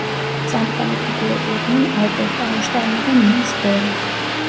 წამყვანი ფიგურები იყვნენ ალბერტ აინშტაინი და ნილს ბორი.